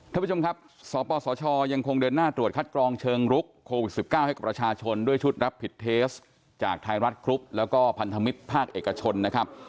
ท่านผู้ชมครับสปสชยังคงเดินหน้าตรวจคัดกรองเชิงรุกโควิด๑๙ให้กับประชาชนด้วยชุดรับผิดเทสจากไทยรัฐกรุ๊ปแล้วก็พันธมิตรภาคเอกชนนะครับ